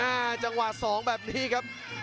แม่จังหวะ๒แบบนี้ครับ